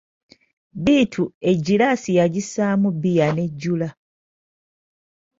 Bittu egiraasi yagissamu bbiya n'ejjula.